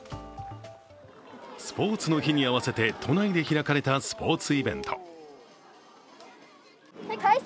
スポーツの日に合わせて都内で開かれたスポーツイベント。